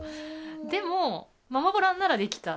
でも、ママボランならできた。